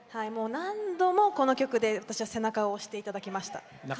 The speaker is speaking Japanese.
何度もこの曲で私は背中を押していただきました。